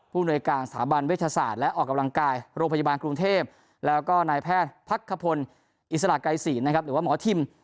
หน่วยการสถาบันเวชศาสตร์และออกกำลังกายโรงพยาบาลกรุงเทพแล้วก็นายแพทย์พักขพลอิสระไกรศีลนะครับหรือว่าหมอทิม